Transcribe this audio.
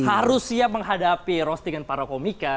harus siap menghadapi roastingan para komika